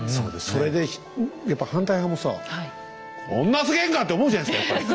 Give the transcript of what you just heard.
それでやっぱ反対派もさ「こんなすげえんか⁉」って思うじゃないですかやっぱり。